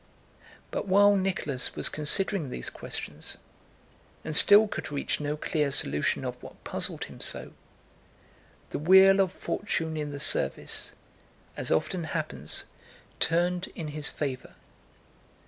But while Nicholas was considering these questions and still could reach no clear solution of what puzzled him so, the wheel of fortune in the service, as often happens, turned in his favor.